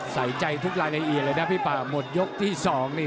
ใส่ใจทุกรายละเอียดเลยนะพี่ป่าหมดยกที่สองนี่